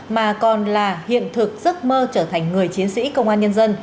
mà còn là hiện thực giấc mơ trở thành người chiến sĩ công an nhân dân